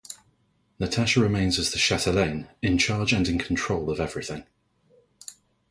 Natasha remains as the chatelaine, in charge and in control of everything.